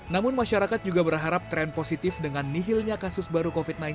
namun masyarakat juga berharap tren positif dengan nihilnya kasus baru covid sembilan belas